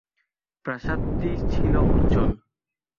প্রাসাদটি ছিল উজ্জ্বল।